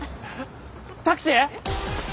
タクシー！